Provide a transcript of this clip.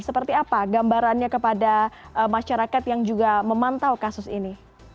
seperti apa gambarannya kepada masyarakat yang juga memantau kasus ini